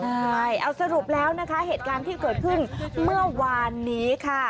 ใช่เอาสรุปแล้วนะคะเหตุการณ์ที่เกิดขึ้นเมื่อวานนี้ค่ะ